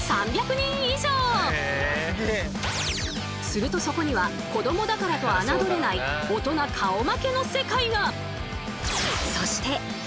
するとそこには子どもだからと侮れない大人顔負けの世界が！